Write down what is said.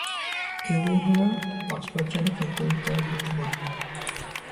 এলিয়েনরা পাসওয়ার্ড জানে কিন্তু তারা বুদ্ধিমান।